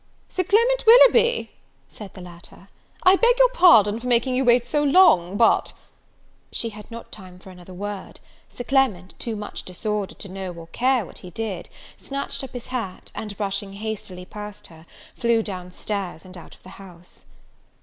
"Sir Clement Willoughby," said the latter, "I beg your pardon for making you wait so long, but " She had not time for another word; Sir Clement, too much disordered to know or care what he did, snatched up his hat, and, brushing hastily past her, flew down stairs, and out of the house.